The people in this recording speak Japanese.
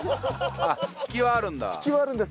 引きはあるんだ？